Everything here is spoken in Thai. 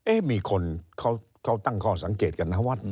เอ๊มีคนเขาตั้งข้อสังเกตกันนะครับวัด